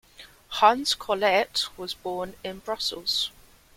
Hans Collaert was born in Brussels.